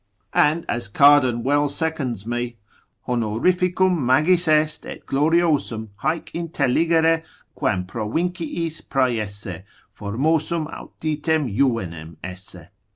And as Cardan well seconds me, Honorificum magis est et gloriosum haec intelligere, quam provinciis praeesse, formosum aut ditem juvenem esse.